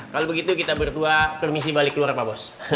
kalau begitu kita berdua permisi balik keluar pak bos